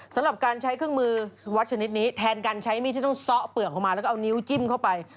สำหรับการใช้เครื่องมือวัดชนิดนี้แทนการใช้มีดที่ต้องซ่อเปลือกออกมาแล้วก็เอานิ้วจิ้มเข้าไป